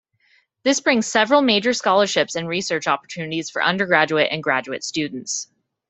This brings several major scholarships and research opportunities for undergraduate and graduate students.